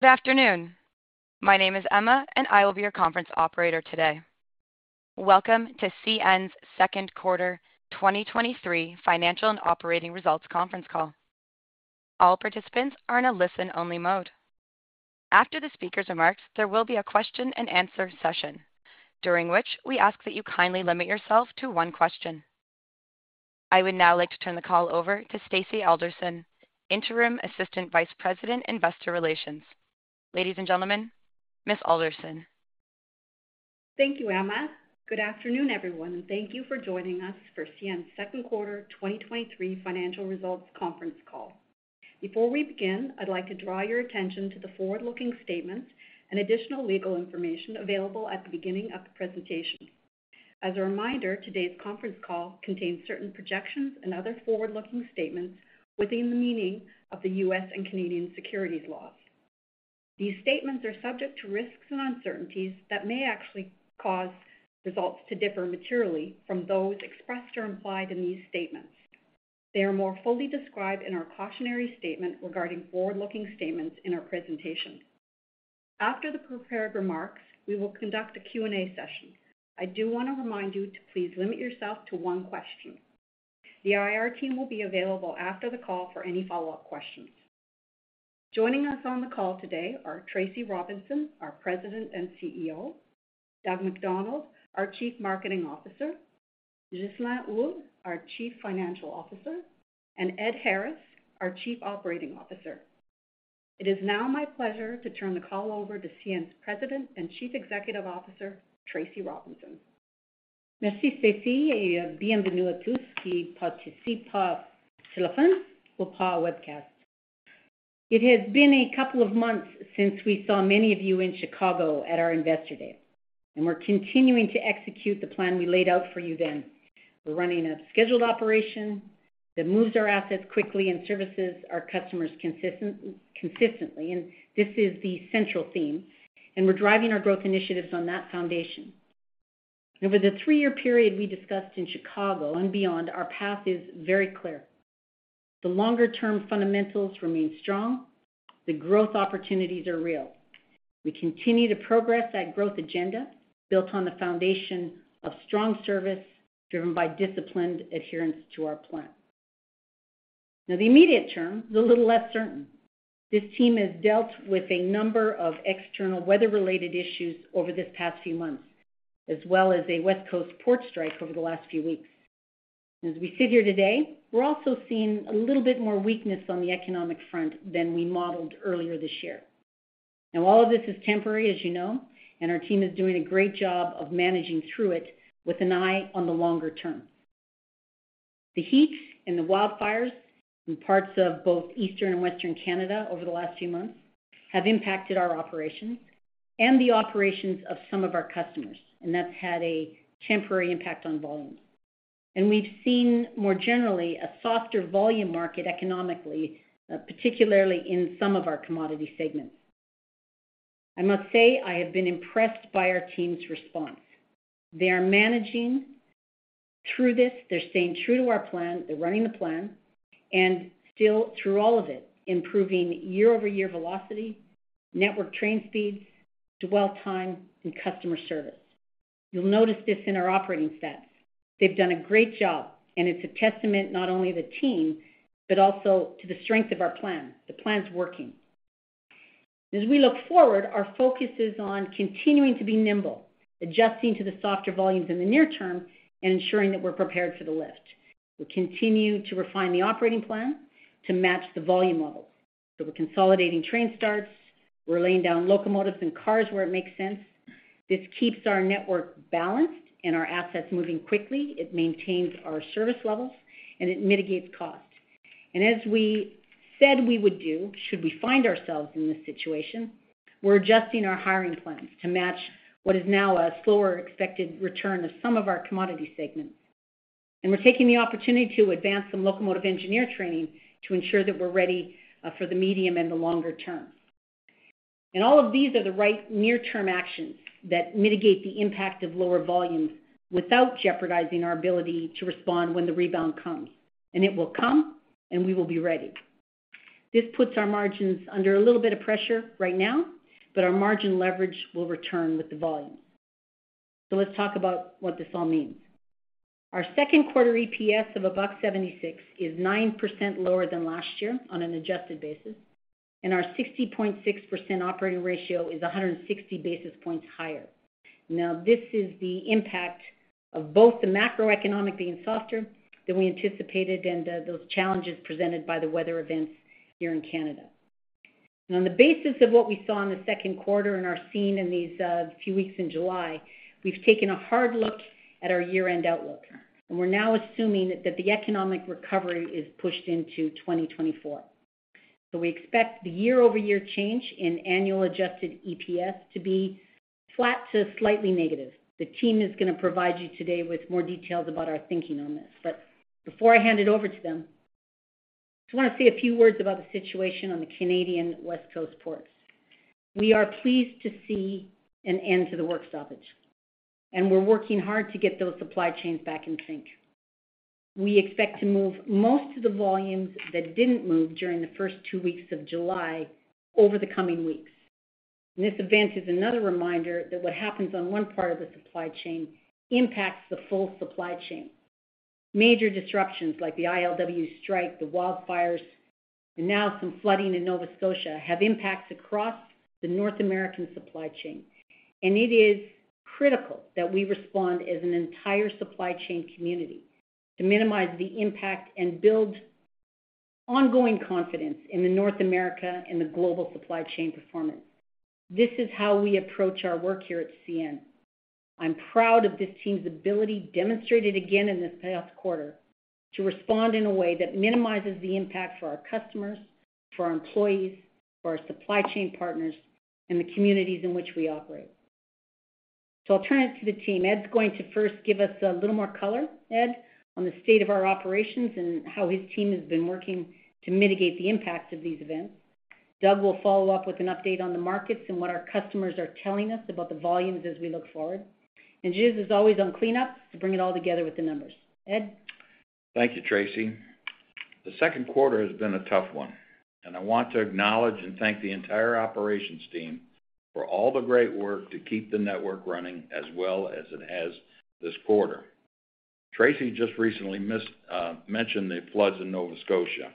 Good afternoon. My name is Emma, and I will be your conference operator today. Welcome to CN's Second Quarter 2023 Financial and Operating Results Conference Call. All participants are in a listen-only mode. After the speaker's remarks, there will be a question-and-answer session, during which we ask that you kindly limit yourself to one question. I would now like to turn the call over to Stacy Alderson, Interim Assistant Vice President, Investor Relations. Ladies and gentlemen, Ms. Alderson. Thank you, Emma. Good afternoon, everyone, thank you for joining us for CN's 2nd quarter 2023 financial results conference call. Before we begin, I'd like to draw your attention to the forward-looking statements and additional legal information available at the beginning of the presentation. As a reminder, today's conference call contains certain projections and other forward-looking statements within the meaning of the U.S. and Canadian securities laws. These statements are subject to risks and uncertainties that may actually cause results to differ materially from those expressed or implied in these statements. They are more fully described in our cautionary statement regarding forward-looking statements in our presentation. After the prepared remarks, we will conduct a Q&A session. I do want to remind you to please limit yourself to one question. The IR team will be available after the call for any follow-up questions. Joining us on the call today are Tracy Robinson, our President and CEO, Doug MacDonald, our Chief Marketing Officer, Ghislain Houle, our Chief Financial Officer, and Ed Harris, our Chief Operating Officer. It is now my pleasure to turn the call over to CN's President and Chief Executive Officer, Tracy Robinson. Merci, Stacy, et bienvenue à tous qui participent sur le phone ou par webcast. It has been a couple of months since we saw many of you in Chicago at our Investor Day, and we're continuing to execute the plan we laid out for you then. We're running a scheduled operation that moves our assets quickly and services our customers consistently, and this is the central theme, and we're driving our growth initiatives on that foundation. Over the three-year period we discussed in Chicago and beyond, our path is very clear. The longer-term fundamentals remain strong. The growth opportunities are real. We continue to progress that growth agenda, built on the foundation of strong service, driven by disciplined adherence to our plan. The immediate term is a little less certain. This team has dealt with a number of external weather-related issues over this past few months, as well as a West Coast port strike over the last few weeks. We sit here today, we're also seeing a little bit more weakness on the economic front than we modeled earlier this year. All of this is temporary, as you know, and our team is doing a great job of managing through it with an eye on the longer term. The heat and the wildfires in parts of both Eastern and Western Canada over the last few months have impacted our operations and the operations of some of our customers, that's had a temporary impact on volumes. We've seen more generally a softer volume market economically, particularly in some of our commodity segments. I must say, I have been impressed by our team's response. They are managing through this. They're staying true to our plan. They're running the plan, and still through all of it, improving year-over-year velocity, network train speeds, dwell time, and customer service. You'll notice this in our operating stats. They've done a great job, and it's a testament not only to the team, but also to the strength of our plan. The plan's working. As we look forward, our focus is on continuing to be nimble, adjusting to the softer volumes in the near term and ensuring that we're prepared for the lift. We continue to refine the operating plan to match the volume levels. We're consolidating train starts. We're laying down locomotives and cars where it makes sense. This keeps our network balanced and our assets moving quickly, it maintains our service levels, and it mitigates costs. As we said we would do, should we find ourselves in this situation, we're adjusting our hiring plans to match what is now a slower expected return of some of our commodity segments. We're taking the opportunity to advance some locomotive engineer training to ensure that we're ready for the medium and the longer term. All of these are the right near-term actions that mitigate the impact of lower volumes without jeopardizing our ability to respond when the rebound comes, and it will come, and we will be ready. This puts our margins under a little bit of pressure right now, but our margin leverage will return with the volume. Let's talk about what this all means. Our second quarter EPS of $1.76 is 9% lower than last year on an adjusted basis, and our 60.6% operating ratio is 160 basis points higher. This is the impact of both the macroeconomic being softer than we anticipated and those challenges presented by the weather events here in Canada. On the basis of what we saw in the second quarter and are seeing in these few weeks in July, we've taken a hard look at our year-end outlook, and we're now assuming that the economic recovery is pushed into 2024. We expect the year-over-year change in annual adjusted EPS to be flat to slightly negative. The team is gonna provide you today with more details about our thinking on this. Before I hand it over to them, I just want to say a few words about the situation on the Canadian West Coast ports. We are pleased to see an end to the work stoppage, and we're working hard to get those supply chains back in sync. We expect to move most of the volumes that didn't move during the first two weeks of July over the coming weeks. This event is another reminder that what happens on one part of the supply chain impacts the full supply chain. Major disruptions like the ILWU strike, the wildfires, and now some flooding in Nova Scotia, have impacts across the North American supply chain. It is critical that we respond as an entire supply chain community to minimize the impact and build ongoing confidence in the North America and the global supply chain performance. This is how we approach our work here at CN. I'm proud of this team's ability, demonstrated again in this past quarter, to respond in a way that minimizes the impact for our customers, for our employees, for our supply chain partners, and the communities in which we operate. I'll turn it to the team. Ed's going to first give us a little more color, Ed, on the state of our operations and how his team has been working to mitigate the impacts of these events. Doug will follow up with an update on the markets and what our customers are telling us about the volumes as we look forward. Ghislain, as always, on cleanup to bring it all together with the numbers. Ed? Thank you, Tracy. The second quarter has been a tough one, and I want to acknowledge and thank the entire operations team for all the great work to keep the network running as well as it has this quarter. Tracy just recently missed mentioned the floods in Nova Scotia.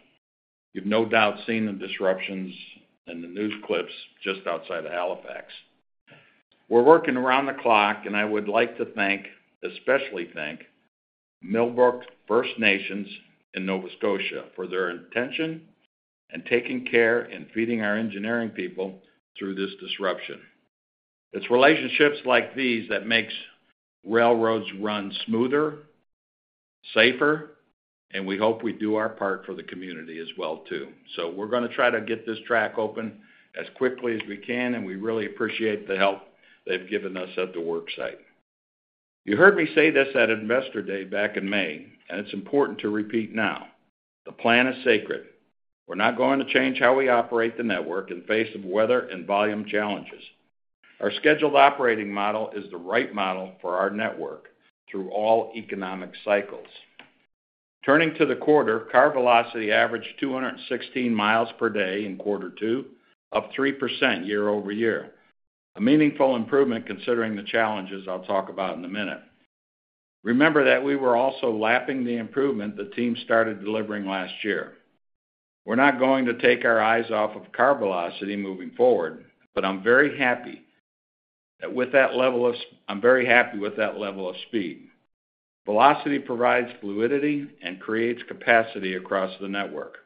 You've no doubt seen the disruptions and the news clips just outside of Halifax. We're working around the clock, and I would like to thank, especially thank Millbrook First Nation in Nova Scotia for their intention and taking care in feeding our engineering people through this disruption. It's relationships like these that makes railroads run smoother, safer, and we hope we do our part for the community as well, too. We're gonna try to get this track open as quickly as we can, and we really appreciate the help they've given us at the work site. You heard me say this at Investor Day back in May, and it's important to repeat now: The plan is sacred. We're not going to change how we operate the network in face of weather and volume challenges. Our scheduled operating model is the right model for our network through all economic cycles. Turning to the quarter, car velocity averaged 216 miles per day in quarter two, up 3% year-over-year. A meaningful improvement considering the challenges I'll talk about in a minute. Remember that we were also lapping the improvement the team started delivering last year. We're not going to take our eyes off of car velocity moving forward, but I'm very happy with that level of speed. Velocity provides fluidity and creates capacity across the network.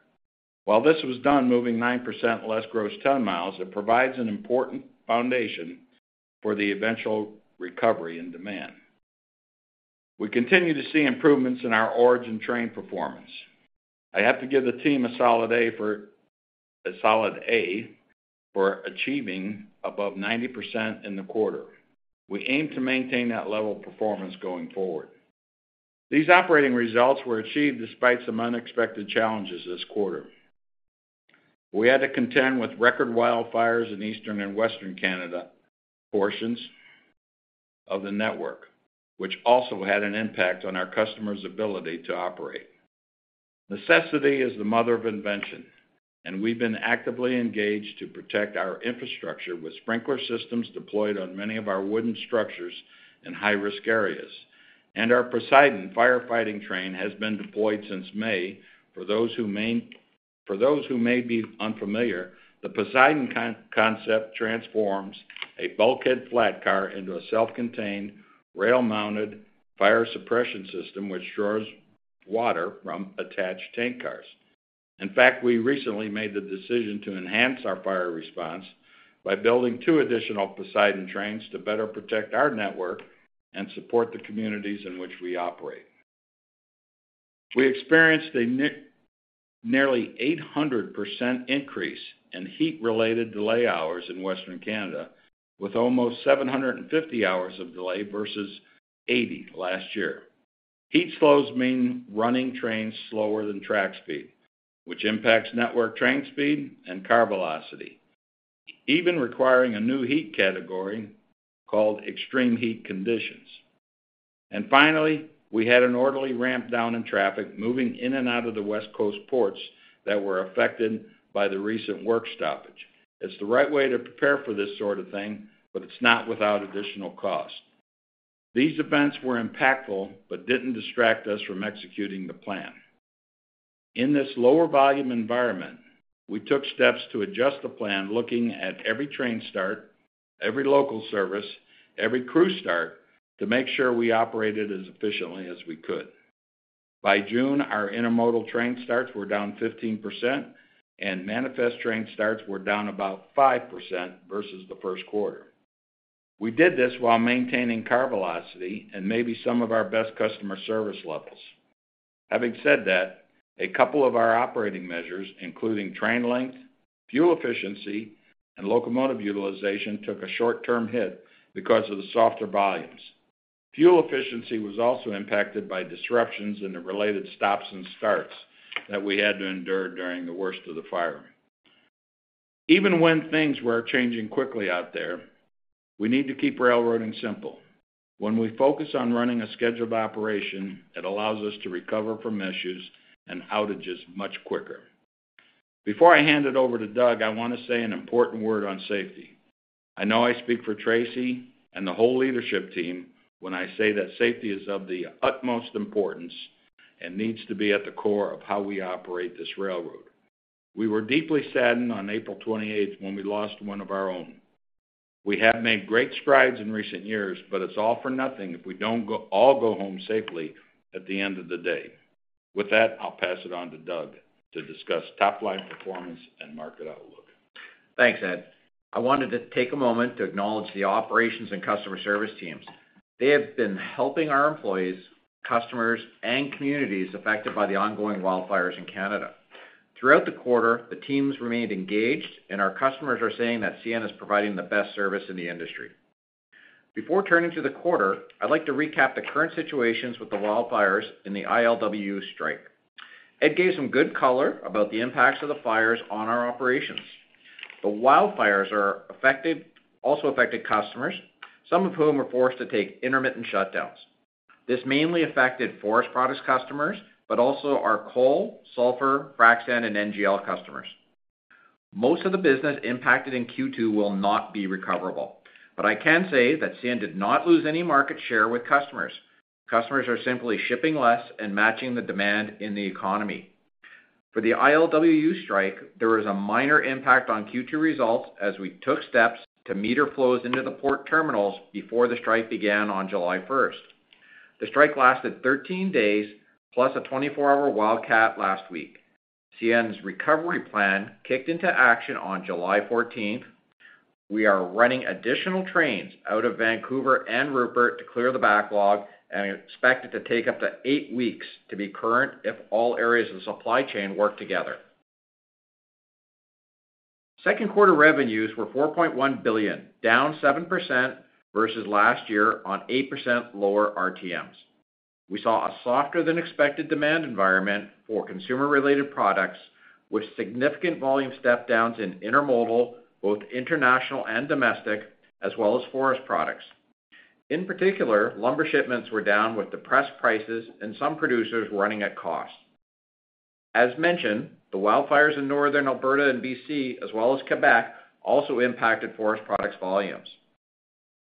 While this was done moving 9% less gross ton miles, it provides an important foundation for the eventual recovery and demand. We continue to see improvements in our origin train performance. I have to give the team a solid A for achieving above 90% in the quarter. We aim to maintain that level of performance going forward. These operating results were achieved despite some unexpected challenges this quarter. We had to contend with record wildfires in Eastern and Western Canada, portions of the network, which also had an impact on our customers' ability to operate. Necessity is the mother of invention, and we've been actively engaged to protect our infrastructure with sprinkler systems deployed on many of our wooden structures in high-risk areas. Our Poseidon firefighting train has been deployed since May. For those who may be unfamiliar, the Poseidon concept transforms a bulkhead flat car into a self-contained, rail-mounted fire suppression system, which draws water from attached tank cars. In fact, we recently made the decision to enhance our fire response by building two additional Poseidon trains to better protect our network and support the communities in which we operate. We experienced a nearly 800% increase in heat-related delay hours in Western Canada, with almost 750 hours of delay versus 80 last year. Heat slows mean running trains slower than track speed, which impacts network train speed and car velocity, even requiring a new heat category called extreme heat conditions. Finally, we had an orderly ramp down in traffic moving in and out of the West Coast ports that were affected by the recent work stoppage. It's the right way to prepare for this sort of thing, but it's not without additional cost. These events were impactful, but didn't distract us from executing the plan. In this lower volume environment, we took steps to adjust the plan, looking at every train start, every local service, every crew start, to make sure we operated as efficiently as we could. By June, our intermodal train starts were down 15%, and manifest train starts were down about 5% versus the first quarter. We did this while maintaining car velocity and maybe some of our best customer service levels. Having said that, a couple of our operating measures, including train length, fuel efficiency, and locomotive utilization, took a short-term hit because of the softer volumes. Fuel efficiency was also impacted by disruptions in the related stops and starts that we had to endure during the worst of the firing. Even when things were changing quickly out there, we need to keep railroading simple. When we focus on running a scheduled operation, it allows us to recover from issues and outages much quicker. Before I hand it over to Doug, I want to say an important word on safety. I know I speak for Tracy and the whole leadership team when I say that safety is of the utmost importance and needs to be at the core of how we operate this railroad. We were deeply saddened on April 28th when we lost one of our own. We have made great strides in recent years, but it's all for nothing if we don't all go home safely at the end of the day. With that, I'll pass it on to Doug, to discuss top-line performance and market outlook. Thanks, Ed. I wanted to take a moment to acknowledge the operations and customer service teams. They have been helping our employees, customers, and communities affected by the ongoing wildfires in Canada. Throughout the quarter, the teams remained engaged, and our customers are saying that CN is providing the best service in the industry. Before turning to the quarter, I'd like to recap the current situations with the wildfires in the ILWU strike. It gave some good color about the impacts of the fires on our operations. The wildfires also affected customers, some of whom were forced to take intermittent shutdowns. This mainly affected forest products customers, but also our coal, sulfur, frac sand, and NGL customers. Most of the business impacted in Q2 will not be recoverable, but I can say that CN did not lose any market share with customers. Customers are simply shipping less and matching the demand in the economy. For the ILWU strike, there was a minor impact on Q2 results as we took steps to meter flows into the port terminals before the strike began on July 1st. The strike lasted 13 days, plus a 24-hour wildcat last week. CN's recovery plan kicked into action on July 14th. We are running additional trains out of Vancouver and Rupert to clear the backlog, and expect it to take up to 8 weeks to be current if all areas of the supply chain work together. Second quarter revenues were $4.1 billion, down 7% versus last year on 8% lower RTMs. We saw a softer than expected demand environment for consumer-related products, with significant volume step downs in intermodal, both international and domestic, as well as forest products. In particular, lumber shipments were down with depressed prices and some producers running at cost. As mentioned, the wildfires in Northern Alberta and BC, as well as Quebec, also impacted forest products volumes.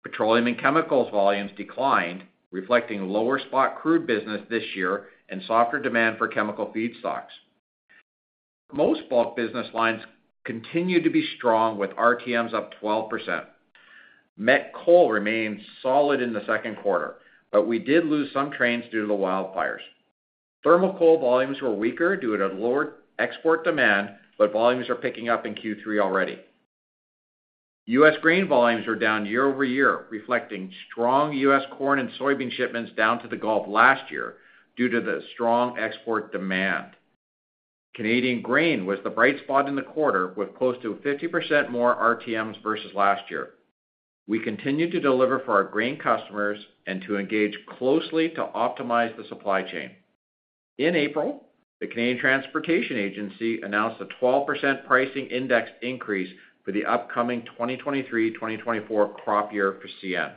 Petroleum and chemicals volumes declined, reflecting lower spot crude business this year and softer demand for chemical feedstocks. Most bulk business lines continued to be strong, with RTMs up 12%. met coal remained solid in the second quarter. We did lose some trains due to the wildfires. thermal coal volumes were weaker due to lower export demand. Volumes are picking up in Q3 already. U.S. grain volumes were down year-over-year, reflecting strong U.S. corn and soybean shipments down to the Gulf last year due to the strong export demand. Canadian grain was the bright spot in the quarter, with close to 50% more RTMs versus last year. We continued to deliver for our grain customers and to engage closely to optimize the supply chain. In April, the Canadian Transportation Agency announced a 12% pricing index increase for the upcoming 2023/2024 crop year for CN.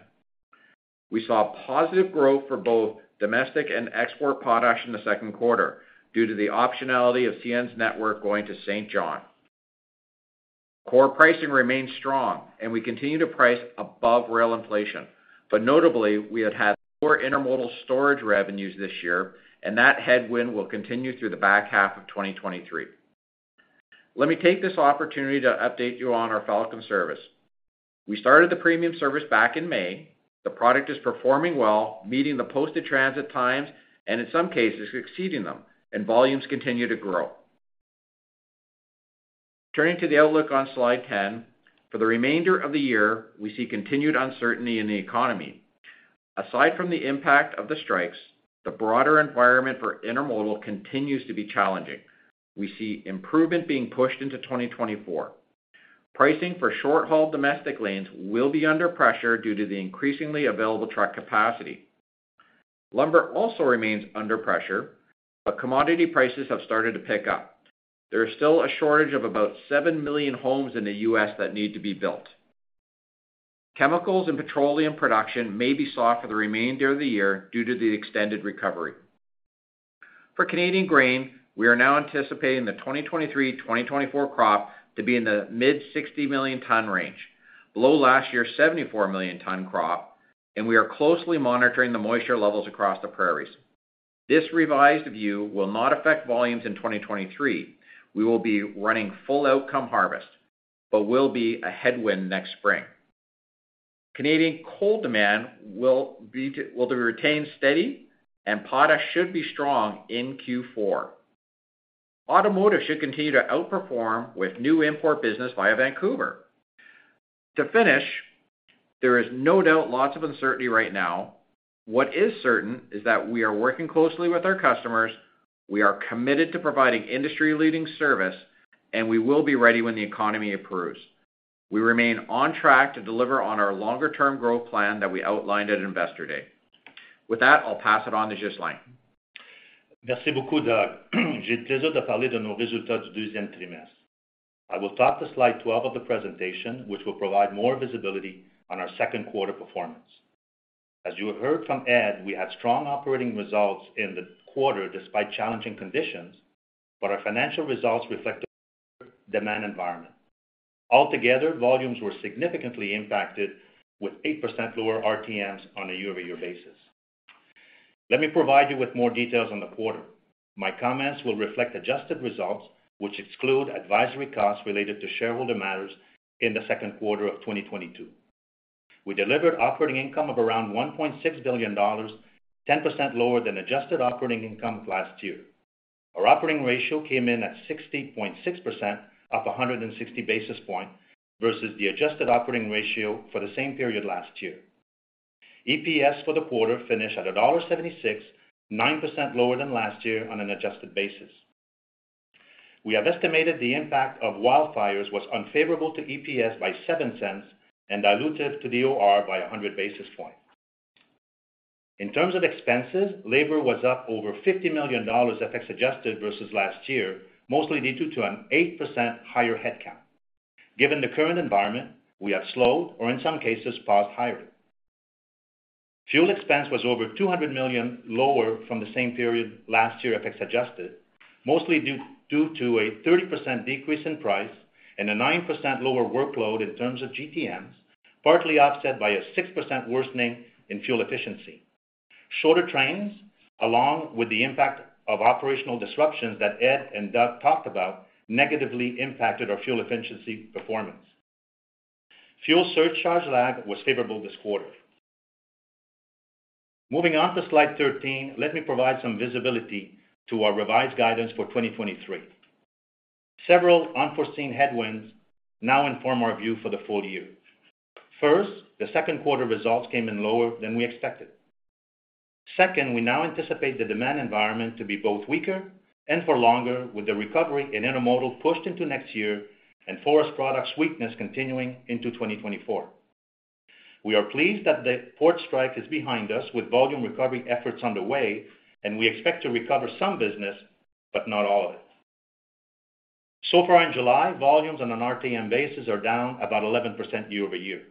We saw positive growth for both domestic and export products in the second quarter due to the optionality of CN's network going to Saint John. Core pricing remains strong, and we continue to price above rail inflation. Notably, we have had poor intermodal storage revenues this year, and that headwind will continue through the back half of 2023. Let me take this opportunity to update you on our Falcon service. We started the premium service back in May. The product is performing well, meeting the posted transit times, and in some cases, exceeding them, and volumes continue to grow. Turning to the outlook on slide 10. For the remainder of the year, we see continued uncertainty in the economy. Aside from the impact of the strikes, the broader environment for intermodal continues to be challenging. We see improvement being pushed into 2024. Pricing for short-haul domestic lanes will be under pressure due to the increasingly available truck capacity. Lumber also remains under pressure, but commodity prices have started to pick up. There is still a shortage of about 7 million homes in the U.S. that need to be built. Chemicals and petroleum production may be soft for the remainder of the year due to the extended recovery. For Canadian grain, we are now anticipating the 2023/2024 crop to be in the mid 60 million ton range, below last year's 74 million ton crop, and we are closely monitoring the moisture levels across the prairies. This revised view will not affect volumes in 2023. We will be running full outcome harvest, but will be a headwind next spring. Canadian coal demand will retain steady, and potash should be strong in Q4. Automotive should continue to outperform with new import business via Vancouver. To finish, there is no doubt lots of uncertainty right now. What is certain is that we are working closely with our customers. We are committed to providing industry-leading service, and we will be ready when the economy improves. We remain on track to deliver on our longer-term growth plan that we outlined at Investor Day. With that, I'll pass it on to Ghislain. Merci beaucoup, Doug. J'ai le plaisir de parler de nos résultats du deuxième trimestre. I will start to Slide 12 of the presentation, which will provide more visibility on our second quarter performance. As you heard from Ed, we had strong operating results in the quarter despite challenging conditions, but our financial results reflect the demand environment. Altogether, volumes were significantly impacted, with 8% lower RTMs on a year-over-year basis. Let me provide you with more details on the quarter. My comments will reflect adjusted results, which exclude advisory costs related to shareholder matters in the second quarter of 2022. We delivered operating income of around 1.6 billion dollars, 10% lower than adjusted operating income last year. Our operating ratio came in at 60.6%, up 160 basis points, versus the adjusted operating ratio for the same period last year. EPS for the quarter finished at $1.76, 9% lower than last year on an adjusted basis. We have estimated the impact of wildfires was unfavorable to EPS by $0.07 and dilutive to the OR by 100 basis points. In terms of expenses, labor was up over $50 million, FX adjusted versus last year, mostly due to an 8% higher headcount. Given the current environment, we have slowed or in some cases, paused hiring. Fuel expense was over 200 million lower from the same period last year, FX adjusted, mostly due to a 30% decrease in price and a 9% lower workload in terms of GTMs, partly offset by a 6% worsening in fuel efficiency. Shorter trains, along with the impact of operational disruptions that Ed and Doug talked about, negatively impacted our fuel efficiency performance. Fuel surcharge lag was favorable this quarter. Moving on to Slide 13, let me provide some visibility to our revised guidance for 2023. Several unforeseen headwinds now inform our view for the full year. First, the second quarter results came in lower than we expected. Second, we now anticipate the demand environment to be both weaker and for longer, with the recovery in intermodal pushed into next year and forest products weakness continuing into 2024. We are pleased that the port strike is behind us, with volume recovery efforts underway. We expect to recover some business, but not all of it. Far in July, volumes on an RTM basis are down about 11% year-over-year.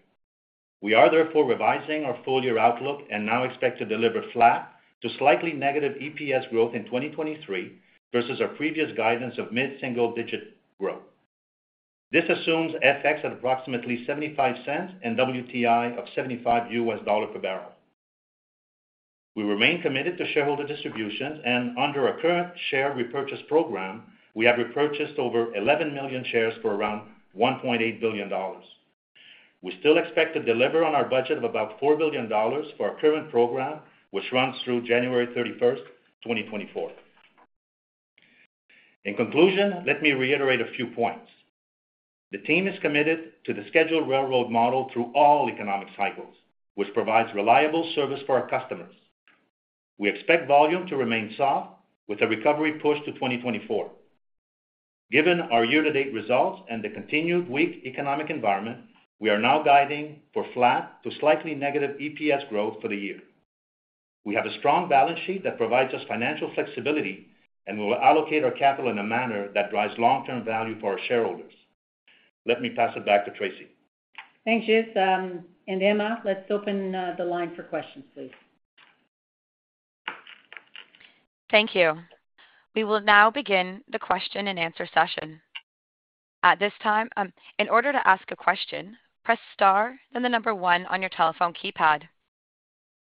We are therefore revising our full year outlook and now expect to deliver flat to slightly negative EPS growth in 2023 versus our previous guidance of mid-single digit growth. This assumes FX at approximately $0.75 and WTI of $75 US dollar per barrel. We remain committed to shareholder distributions. Under our current share repurchase program, we have repurchased over 11 million shares for around $1.8 billion. We still expect to deliver on our budget of about $4 billion for our current program, which runs through January 31st, 2024. In conclusion, let me reiterate a few points: The team is committed to the scheduled railroad model through all economic cycles, which provides reliable service for our customers. We expect volume to remain soft, with a recovery push to 2024. Given our year-to-date results and the continued weak economic environment, we are now guiding for flat to slightly negative EPS growth for the year. We have a strong balance sheet that provides us financial flexibility, and we will allocate our capital in a manner that drives long-term value for our shareholders. Let me pass it back to Tracy. Thanks, Ghislain, Emma, let's open the line for questions, please. Thank you. We will now begin the question and answer session. At this time, in order to ask a question, press star, then the 1 on your telephone keypad.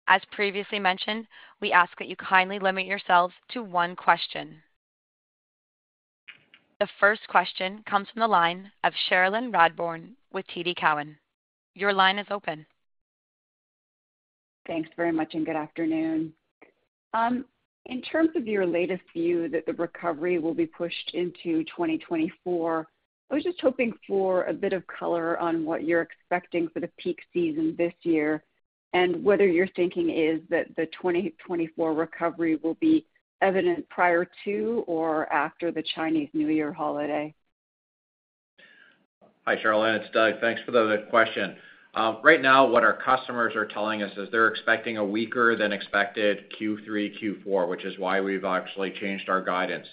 As previously mentioned, we ask that you kindly limit yourselves to 1 question. The first question comes from the line of Cherilyn Radbourne with TD Cowen. Your line is open. Thanks very much, good afternoon. In terms of your latest view that the recovery will be pushed into 2024, I was just hoping for a bit of color on what you're expecting for the peak season this year, and whether your thinking is that the 2024 recovery will be evident prior to or after the Chinese New Year holiday. Hi, Cherilyn, it's Doug. Thanks for the question. Right now, what our customers are telling us is they're expecting a weaker than expected Q3, Q4, which is why we've actually changed our guidance.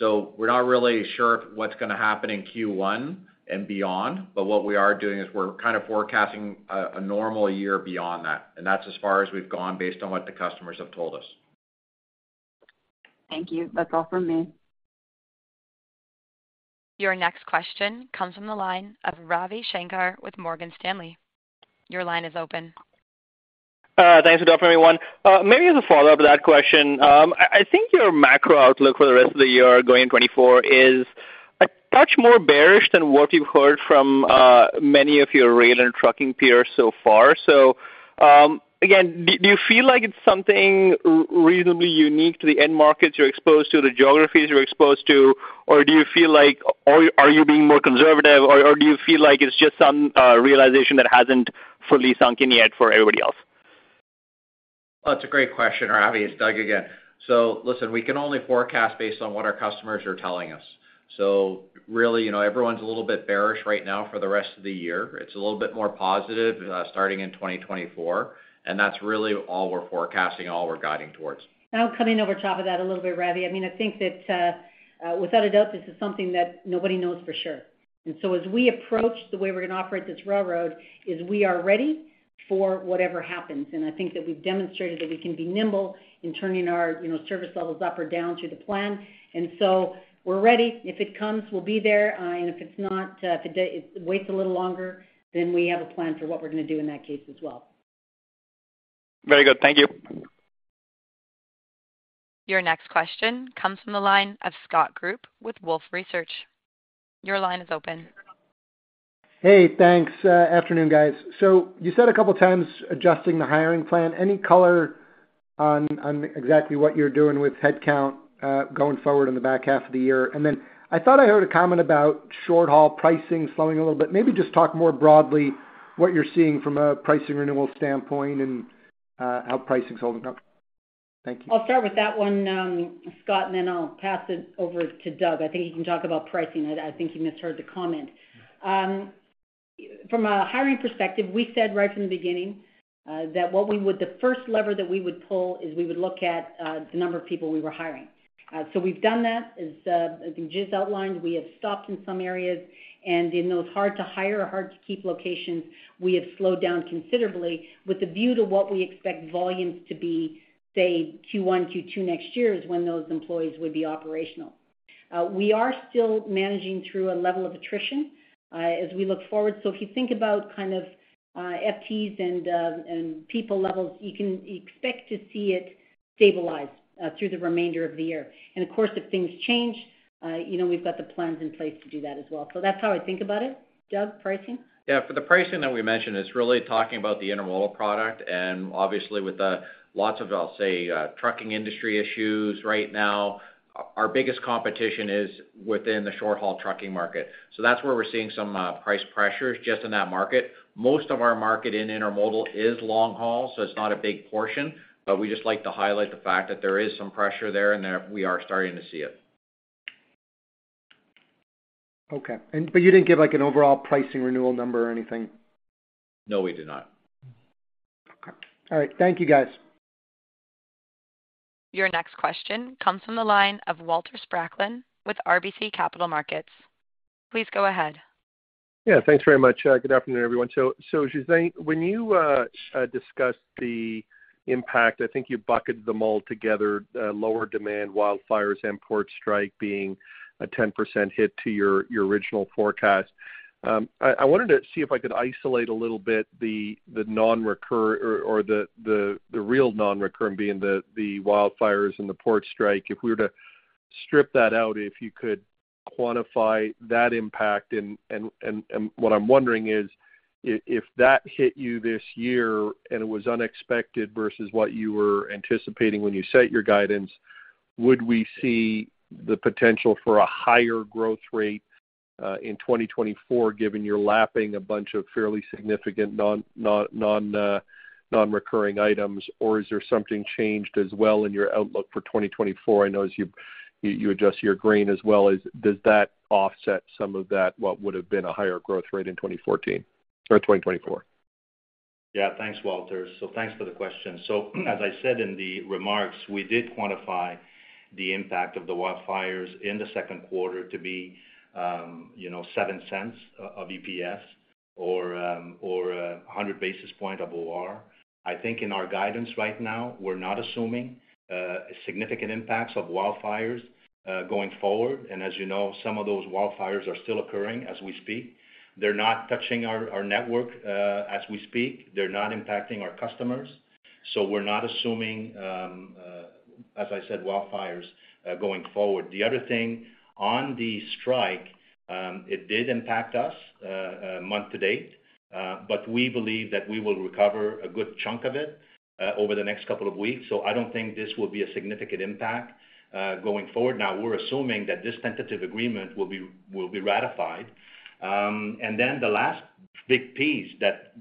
We're not really sure what's gonna happen in Q1 and beyond, but what we are doing is we're kind of forecasting a normal year beyond that, and that's as far as we've gone, based on what the customers have told us. Thank you. That's all for me. Your next question comes from the line of Ravi Shanker with Morgan Stanley. Your line is open. Thanks, good afternoon, everyone. Maybe as a follow-up to that question, I think your macro outlook for the rest of the year going in 2024 is a touch more bearish than what you've heard from many of your rail and trucking peers so far. Again, do you feel like it's something reasonably unique to the end markets you're exposed to, the geographies you're exposed to? Or do you feel like, are you being more conservative, or do you feel like it's just some realization that hasn't fully sunk in yet for everybody else? Well, it's a great question, Ravi. It's Doug again. Listen, we can only forecast based on what our customers are telling us. Really, you know, everyone's a little bit bearish right now for the rest of the year. It's a little bit more positive, starting in 2024, and that's really all we're forecasting and all we're guiding towards. I'll come in over top of that a little bit, Ravi. I mean, I think that, without a doubt, this is something that nobody knows for sure. As we approach the way we're going to operate this railroad, is we are ready for whatever happens. I think that we've demonstrated that we can be nimble in turning our, you know, service levels up or down through the plan. We're ready. If it comes, we'll be there. If it's not, if it waits a little longer, then we have a plan for what we're gonna do in that case as well. Very good. Thank you. Your next question comes from the line of Scott Group with Wolfe Research. Your line is open. Hey, thanks. Afternoon, guys. You said a couple of times, adjusting the hiring plan, any color on exactly what you're doing with headcount going forward in the back half of the year? I thought I heard a comment about short-haul pricing slowing a little bit. Maybe just talk more broadly, what you're seeing from a pricing renewal standpoint and how pricing is holding up. Thank you. I'll start with that one, Scott, and then I'll pass it over to Doug. I think he can talk about pricing. I think he misheard the comment. From a hiring perspective, we said right from the beginning, that the first lever that we would pull is we would look at the number of people we were hiring. We've done that. As we just outlined, we have stopped in some areas, and in those hard to hire or hard to keep locations, we have slowed down considerably with the view to what we expect volumes to be, say, Q1, Q2 next year is when those employees would be operational. We are still managing through a level of attrition, as we look forward. If you think about kind of, FTEs and people levels, you can expect to see it stabilize through the remainder of the year. Of course, if things change, you know, we've got the plans in place to do that as well. That's how I think about it. Doug, pricing? Yeah, for the pricing that we mentioned, it's really talking about the Intermodal product. Obviously, with the lots of, I'll say, trucking industry issues right now, our biggest competition is within the short-haul trucking market. That's where we're seeing some price pressures just in that market. Most of our market in Intermodal is long-haul, so it's not a big portion, but we just like to highlight the fact that there is some pressure there and there we are starting to see it. Okay. You didn't give, like, an overall pricing renewal number or anything? No, we did not. Okay. All right. Thank you, guys. Your next question comes from the line of Walter Spracklin with RBC Capital Markets. Please go ahead. Yeah, thanks very much. Good afternoon, everyone. Janet, when you discussed the impact, I think you bucketed them all together, lower demand, wildfires, and port strike being a 10% hit to your original forecast. I wanted to see if I could isolate a little bit the real nonrecurring being the wildfires and the port strike. If we were to strip that out, if you could quantify that impact. What I'm wondering is, if that hit you this year and it was unexpected versus what you were anticipating when you set your guidance, would we see the potential for a higher growth rate in 2024, given you're lapping a bunch of fairly significant nonrecurring items? Is there something changed as well in your outlook for 2024? I know as you adjust your grain as well, does that offset some of that, what would have been a higher growth rate in 2014 or 2024? Thanks, Walter Spracklin. Thanks for the question. As I said in the remarks, we did quantify the impact of the wildfires in the second quarter to be, you know, 0.07 of EPS or 100 basis points of OR. I think in our guidance right now, we're not assuming significant impacts of wildfires going forward. As you know, some of those wildfires are still occurring as we speak. They're not touching our network as we speak. They're not impacting our customers, we're not assuming, as I said, wildfires going forward. The other thing on the strike, it did impact us month to date, we believe that we will recover a good chunk of it over the next couple of weeks. I don't think this will be a significant impact going forward. Now, we're assuming that this tentative agreement will be ratified. The last big piece that,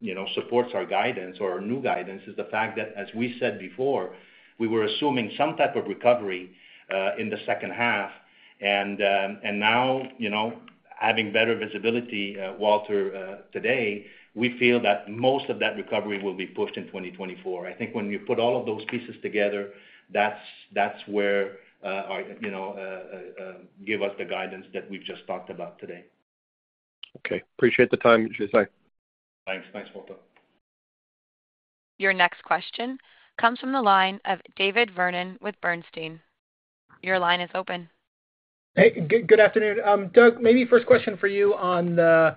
you know, supports our guidance or our new guidance is the fact that, as we said before, we were assuming some type of recovery in the second half. Now, you know, having better visibility, Walter, today, we feel that most of that recovery will be pushed in 2024. I think when you put all of those pieces together, that's where our, you know, give us the guidance that we've just talked about today. Okay. Appreciate the time, Ghislain. Thanks. Thanks, Walter. Your next question comes from the line of David Vernon with Bernstein. Your line is open. Hey, good afternoon. Doug, maybe first question for you on the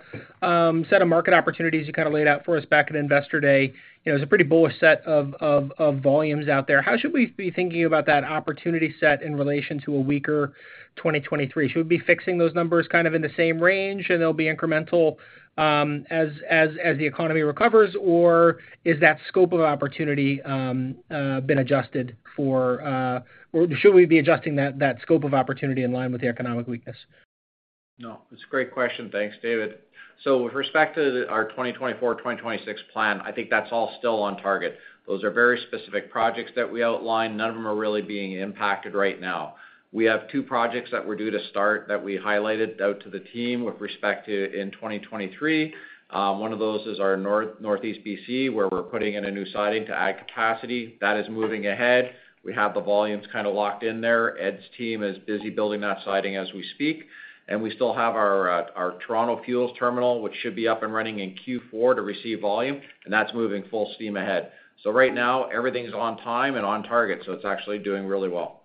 set of market opportunities you kind of laid out for us back at Investor Day. You know, it's a pretty bullish set of volumes out there. How should we be thinking about that opportunity set in relation to a weaker 2023? Should we be fixing those numbers kind of in the same range, and they'll be incremental as the economy recovers? Or is that scope of opportunity been adjusted for? Or should we be adjusting that scope of opportunity in line with the economic weakness? It's a great question. Thanks, David. With respect to our 2024, 2026 plan, I think that's all still on target. Those are very specific projects that we outlined. None of them are really being impacted right now. We have 2 projects that we're due to start that we highlighted out to the team with respect to in 2023. One of those is our Northeast BC, where we're putting in a new siding to add capacity. That is moving ahead. We have the volumes kind of locked in there. Ed's team is busy building that siding as we speak, and we still have our Toronto fuels terminal, which should be up and running in Q4 to receive volume, and that's moving full steam ahead. Right now, everything's on time and on target, so it's actually doing really well. ...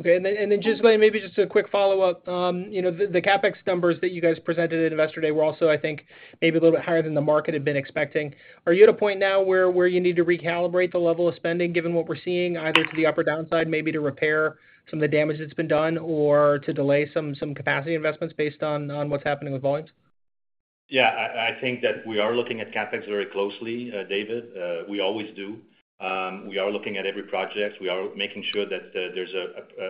Okay, then just maybe just a quick follow-up. You know, the CapEx numbers that you guys presented at Investor Day were also, I think, maybe a little bit higher than the market had been expecting. Are you at a point now where you need to recalibrate the level of spending, given what we're seeing, either to the upper downside, maybe to repair some of the damage that's been done, or to delay some capacity investments based on what's happening with volumes? Yeah, I think that we are looking at CapEx very closely, David. We always do. We are looking at every project. We are making sure that there's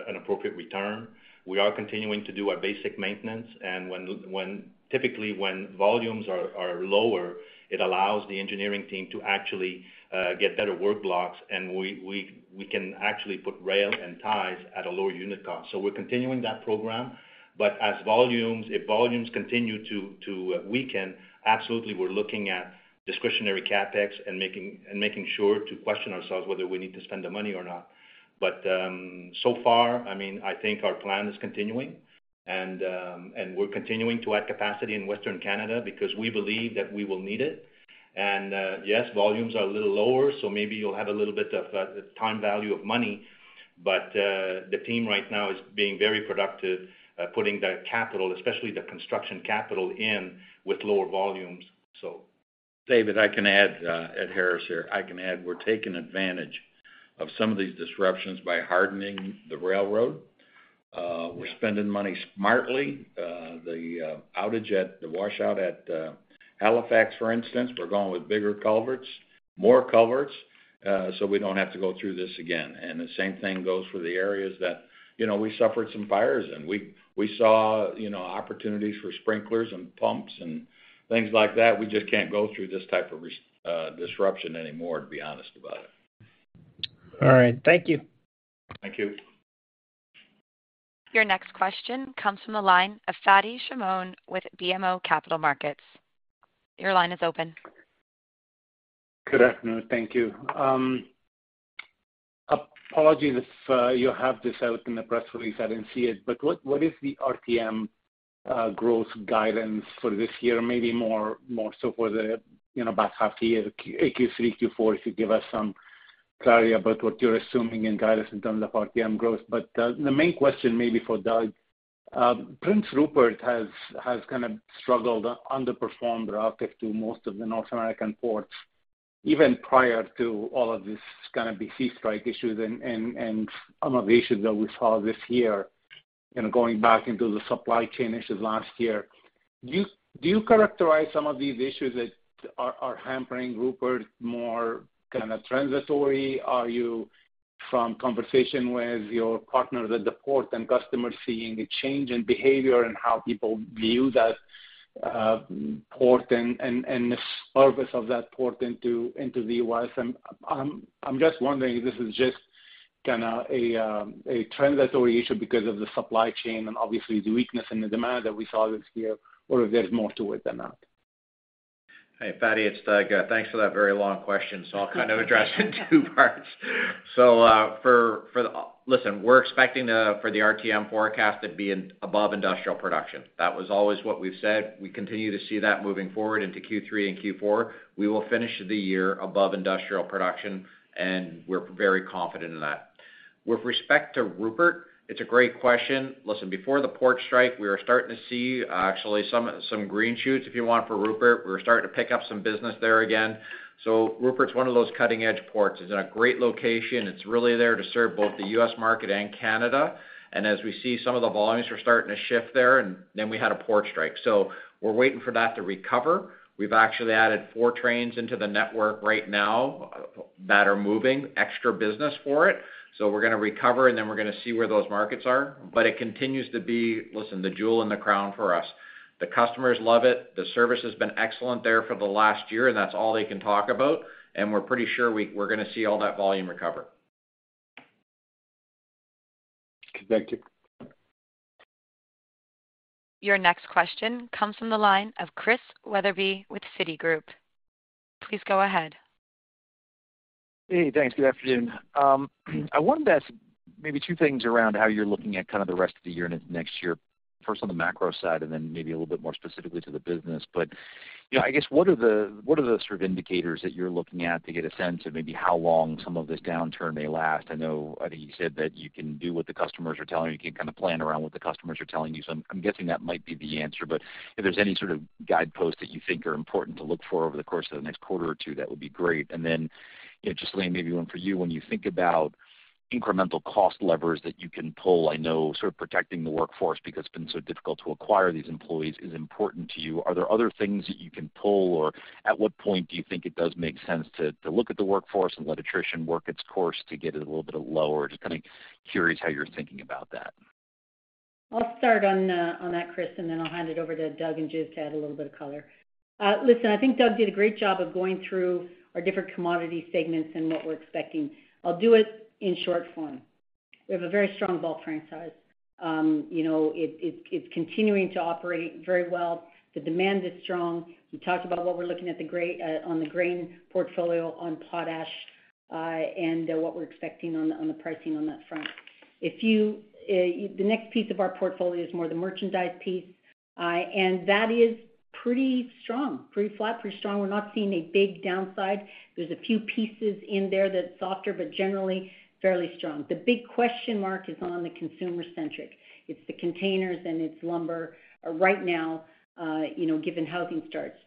an appropriate return. We are continuing to do our basic maintenance, and when typically, when volumes are lower, it allows the engineering team to actually get better work blocks, and we can actually put rail and ties at a lower unit cost. We're continuing that program. If volumes continue to weaken, absolutely, we're looking at discretionary CapEx and making sure to question ourselves whether we need to spend the money or not. So far, I mean, I think our plan is continuing, and we're continuing to add capacity in Western Canada because we believe that we will need it. Yes, volumes are a little lower, so maybe you'll have a little bit of time value of money. The team right now is being very productive, putting that capital, especially the construction capital, in with lower volumes. David, I can add, Ed Harris here. I can add, we're taking advantage of some of these disruptions by hardening the railroad. We're spending money smartly. The outage at the washout at Halifax, for instance, we're going with bigger culverts, more culverts, we don't have to go through this again. The same thing goes for the areas that, you know, we suffered some fires in. We saw, you know, opportunities for sprinklers and pumps and things like that. We just can't go through this type of disruption anymore, to be honest about it. All right. Thank you. Thank you. Your next question comes from the line of Fadi Chamoun with BMO Capital Markets. Your line is open. Good afternoon. Thank you. Apologies if you have this out in the press release, I didn't see it, but what is the RTM growth guidance for this year? Maybe more so for the, you know, about half year, Q3, Q4, if you give us some clarity about what you're assuming in guidance in terms of RTM growth. The main question may be for Doug. Prince Rupert has kind of struggled, underperformed relative to most of the North American ports, even prior to all of this kind of BC strike issues and some of the issues that we saw this year, and going back into the supply chain issues last year. Do you characterize some of these issues that are hampering Rupert more kind of transitory? Are you, from conversation with your partners at the port and customers, seeing a change in behavior and how people view that, port and the service of that port into the U.S.? I'm just wondering if this is just kinda a transitory issue because of the supply chain and obviously the weakness in the demand that we saw this year, or if there's more to it than that. Hey, Fadi, it's Doug. Thanks for that very long question. I'll kind of address it in two parts. Listen, we're expecting the RTM forecast to be above industrial production. That was always what we've said. We continue to see that moving forward into Q3 and Q4. We will finish the year above industrial production, and we're very confident in that. With respect to Rupert, it's a great question. Listen, before the port strike, we were starting to see actually some green shoots, if you want, for Rupert. We were starting to pick up some business there again. Rupert's one of those cutting-edge ports. It's in a great location. It's really there to serve both the U.S. market and Canada. As we see, some of the volumes are starting to shift there, and then we had a port strike. We're waiting for that to recover. We've actually added four trains into the network right now that are moving extra business for it. We're gonna recover, and then we're gonna see where those markets are. It continues to be, listen, the jewel in the crown for us. The customers love it. The service has been excellent there for the last year, and that's all they can talk about, and we're pretty sure we're gonna see all that volume recover. Thank you. Your next question comes from the line of Chris Wetherbee with Citigroup. Please go ahead. Hey, thanks. Good afternoon. I wanted to ask maybe two things around how you're looking at kind of the rest of the year and into next year. First, on the macro side, and then maybe a little bit more specifically to the business. You know, I guess, what are the sort of indicators that you're looking at to get a sense of maybe how long some of this downturn may last? I know, I think you said that you can do what the customers are telling you. You can kind of plan around what the customers are telling you. I'm guessing that might be the answer. If there's any sort of guideposts that you think are important to look for over the course of the next quarter or two, that would be great. you know, just laying maybe one for you, when you think about incremental cost levers that you can pull, I know sort of protecting the workforce because it's been so difficult to acquire these employees is important to you. Are there other things that you can pull, or at what point do you think it does make sense to look at the workforce and let attrition work its course to get it a little bit lower? Just kind of curious how you're thinking about that. I'll start on that, Chris, and then I'll hand it over to Doug and Ghislain to add a little bit of color. Listen, I think Doug did a great job of going through our different commodity segments and what we're expecting. I'll do it in short form. We have a very strong bulk franchise. You know, it's continuing to operate very well. The demand is strong. We talked about what we're looking at on the grain portfolio, on potash, and what we're expecting on the pricing on that front. The next piece of our portfolio is more the merchandise piece, and that is-... pretty strong, pretty flat, pretty strong. We're not seeing a big downside. There's a few pieces in there that's softer, but generally, fairly strong. The big question mark is on the consumer-centric. It's the containers, and it's lumber, right now, you know, given housing starts.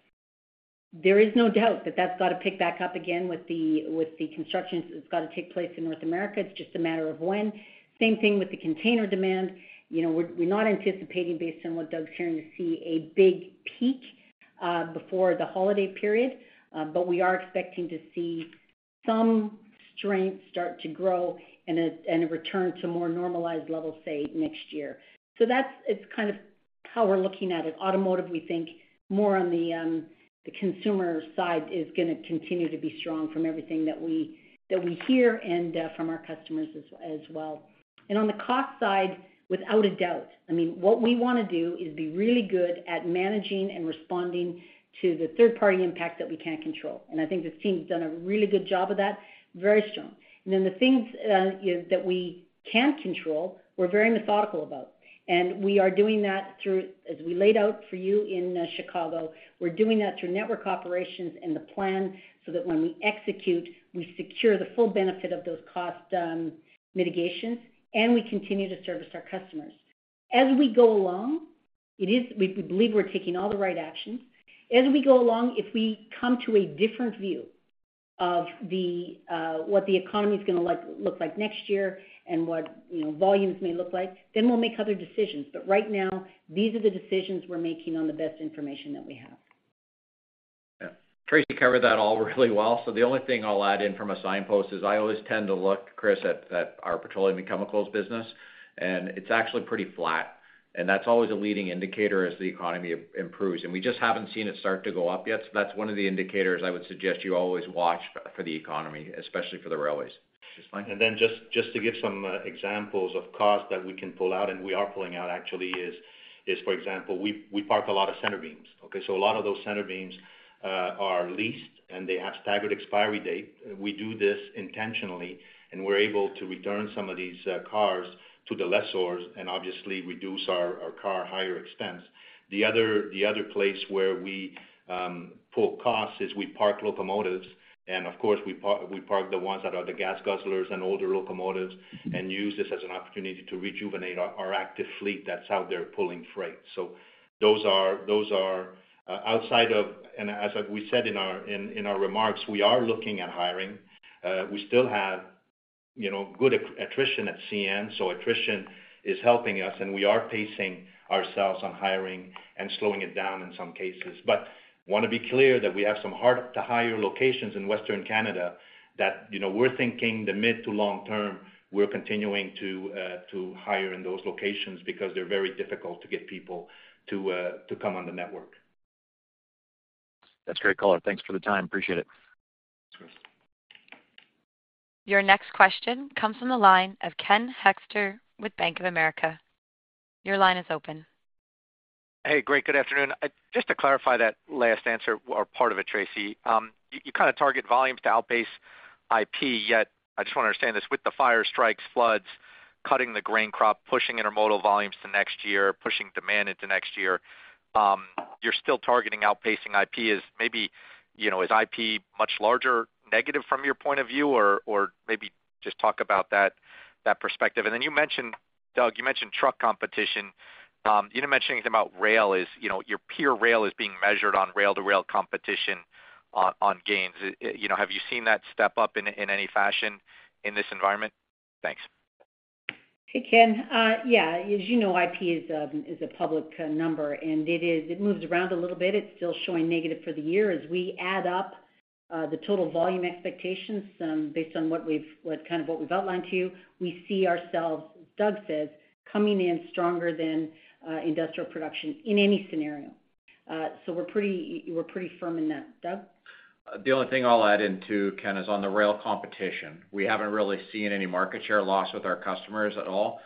There is no doubt that that's got to pick back up again with the construction that's got to take place in North America. It's just a matter of when. Same thing with the container demand. You know, we're not anticipating, based on what Doug's sharing, to see a big peak before the holiday period. But we are expecting to see some strength start to grow and a return to more normalized levels, say, next year. That's kind of how we're looking at it. Automotive, we think more on the consumer side is gonna continue to be strong from everything that we hear and from our customers as well. On the cost side, without a doubt, I mean, what we wanna do is be really good at managing and responding to the third-party impact that we can't control. I think this team's done a really good job of that, very strong. Then the things that we can control, we're very methodical about, and we are doing that through, as we laid out for you in Chicago, we're doing that through network operations and the plan, so that when we execute, we secure the full benefit of those cost mitigations, and we continue to service our customers. As we go along, we believe we're taking all the right actions. As we go along, if we come to a different view of the, what the economy is gonna look like next year and what, you know, volumes may look like, then we'll make other decisions. Right now, these are the decisions we're making on the best information that we have. Yeah. Tracy covered that all really well. The only thing I'll add in from a signpost is I always tend to look, Chris, at our petroleum and chemicals business, and it's actually pretty flat. That's always a leading indicator as the economy improves, and we just haven't seen it start to go up yet. That's one of the indicators I would suggest you always watch for the economy, especially for the railways. Chris? Just to give some examples of costs that we can pull out, and we are pulling out actually is, for example, we park a lot of centerbeams. A lot of those centerbeams are leased, and they have staggered expiry date. We do this intentionally, and we're able to return some of these cars to the lessors and obviously reduce our car hire expense. The other place where we pull costs is we park locomotives, and of course, we park the ones that are the gas guzzlers and older locomotives, and use this as an opportunity to rejuvenate our active fleet that's out there pulling freight. Those are outside of... As we said in our remarks, we are looking at hiring. We still have, you know, good attrition at CN. Attrition is helping us. We are pacing ourselves on hiring and slowing it down in some cases. Wanna be clear that we have some hard-to-hire locations in Western Canada that, you know, we're thinking the mid to long term, we're continuing to hire in those locations because they're very difficult to get people to come on the network. Thqat's great, caller. Thanks for the time. Appreciate it. Thanks, Chris. Your next question comes from the line of Ken Hoexter with Bank of America. Your line is open. Hey, great. Good afternoon. Just to clarify that last answer or part of it, Tracy. You kind of target volumes to outpace IP, yet I just want to understand this. With the fire strikes, floods, cutting the grain crop, pushing intermodal volumes to next year, pushing demand into next year, you're still targeting outpacing IP as maybe, you know, is IP much larger, negative from your point of view? Or maybe just talk about that perspective. Then you mentioned, Doug, you mentioned truck competition. You didn't mention anything about rail is, you know, your peer rail is being measured on rail-to-rail competition on gains. You know, have you seen that step up in any fashion in this environment? Thanks. Hey, Ken. Yeah, as you know, IP is a public number. It moves around a little bit. It's still showing negative for the year. As we add up, the total volume expectations, based on what we've outlined to you, we see ourselves, as Doug says, coming in stronger than industrial production in any scenario. We're pretty firm in that. Doug? The only thing I'll add in, too, Ken, is on the rail competition. We haven't really seen any market share loss with our customers at all,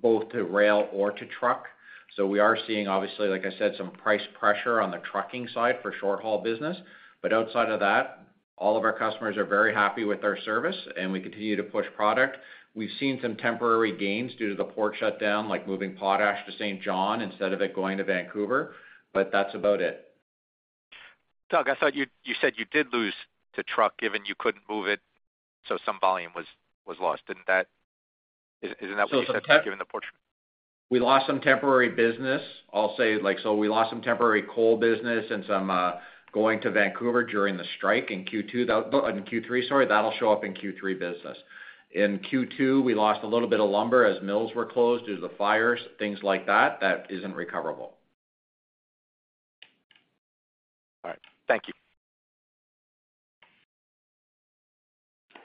both to rail or to truck. We are seeing obviously, like I said, some price pressure on the trucking side for short-haul business, outside of that, all of our customers are very happy with our service, and we continue to push product. We've seen some temporary gains due to the port shutdown, like moving potash to Saint John instead of it going to Vancouver, that's about it. Doug, I thought you said you did lose to truck, given you couldn't move it, so some volume was lost. Isn't that what you said, given the port? We lost some temporary business. I'll say, like, so we lost some temporary coal business and some going to Vancouver during the strike in Q2, in Q3, sorry, that'll show up in Q3 business. In Q2, we lost a little bit of lumber as mills were closed due to the fires, things like that isn't recoverable. All right. Thank you.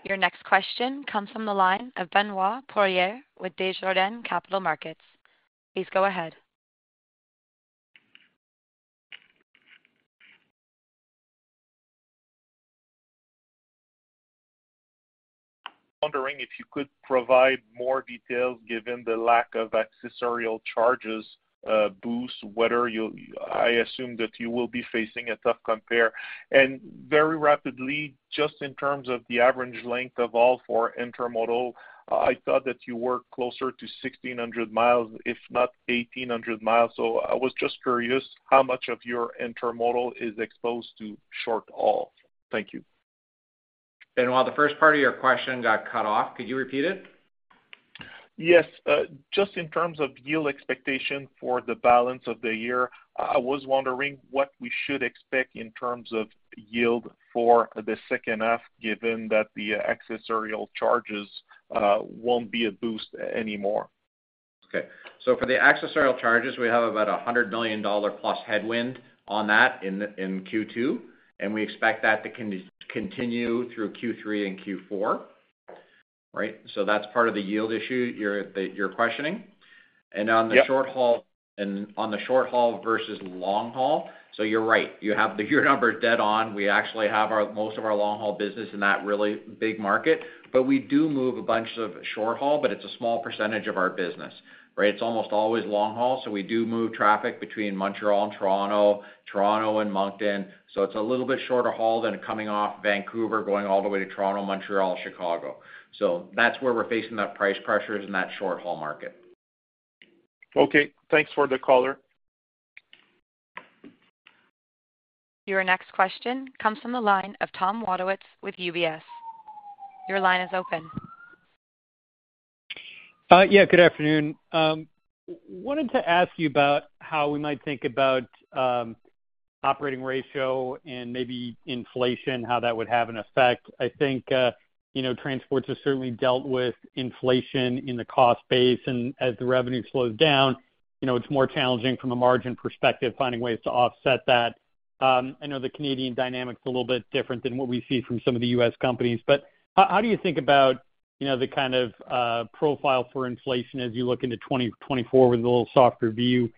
Your next question comes from the line of Benoit Poirier with Desjardins Capital Markets. Please go ahead. Wondering if you could provide more details, given the lack of accessorial charges, boost, whether I assume that you will be facing a tough compare. Very rapidly, just in terms of the average length of all four intermodal, I thought that you were closer to 1,600 miles, if not 1,800 miles. I was just curious, how much of your intermodal is exposed to short haul? Thank you.... While the first part of your question got cut off, could you repeat it? Yes. Just in terms of yield expectation for the balance of the year, I was wondering what we should expect in terms of yield for the second half, given that the accessorial charges won't be a boost anymore. Okay. For the accessorial charges, we have about a $100 million plus headwind on that in Q2, and we expect that to continue through Q3 and Q4, right? That's part of the yield issue that you're questioning. Yep. On the short haul versus long haul, you're right. You have the year number dead on. We actually have most of our long-haul business in that really big market, but we do move a bunch of short haul, but it's a small percentage of our business, right? It's almost always long haul. We do move traffic between Montreal and Toronto and Moncton. It's a little bit shorter haul than coming off Vancouver, going all the way to Toronto, Montreal, Chicago. That's where we're facing that price pressures in that short-haul market. Okay, thanks for the color. Your next question comes from the line of Tom Wadewitz with UBS. Your line is open. Yeah, good afternoon. Wanted to ask you about how we might think about operating ratio and maybe inflation, how that would have an effect. I think, you know, transports have certainly dealt with inflation in the cost base, and as the revenue slows down, you know, it's more challenging from a margin perspective, finding ways to offset that. I know the Canadian dynamic's a little bit different than what we see from some of the U.S. companies. How do you think about, you know, the kind of profile for inflation as you look into 2024 with a little softer view